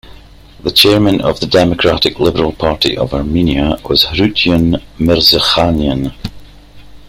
The chairman of the Democratic Liberal Party of Armenia was Harutyun Mirzakhanian.